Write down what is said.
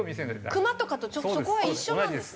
クマとかとちょっとそこは一緒なんですね。